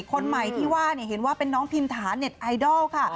คนใหม่ที่ว่าเห็นว่าเป็นน้องพิมถาเน็ตไอดอลค่ะ